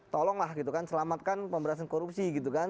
tolonglah gitu kan selamatkan pemberantasan korupsi gitu kan